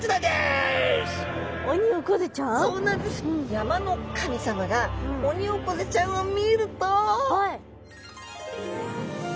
山の神様がオニオコゼちゃんを見ると。